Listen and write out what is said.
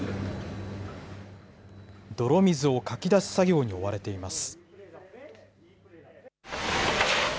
泥水をかき出す作業に追われています。